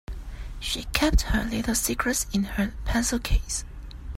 She kept her little secrets in her pencil case.